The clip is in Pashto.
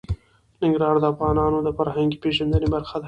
ننګرهار د افغانانو د فرهنګي پیژندنې برخه ده.